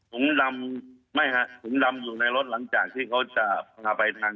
ดำไม่ฮะถุงดำอยู่ในรถหลังจากที่เขาจะพาไปทาง